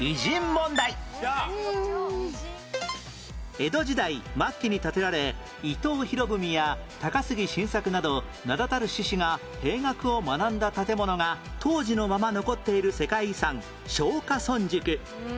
江戸時代末期に建てられ伊藤博文や高杉晋作など名だたる志士が兵学を学んだ建物が当時のまま残っている世界遺産松下村塾